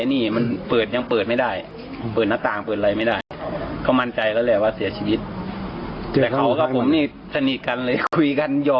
นี่มันเปิดยังเปิดไม่ได้เปิดหน้าต่างเปิดอะไรไม่ได้